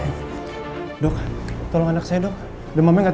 gimana kalau relaxationnya sudah man af